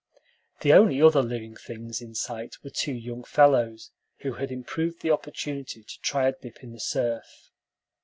The only other living things in sight were two young fellows, who had improved the opportunity to try a dip in the surf.